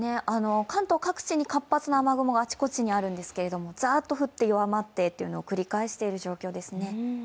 関東各地に活発な雨雲があちこちにあるんですけど、ザーッと降って、弱まってというのを繰り返している状況ですね。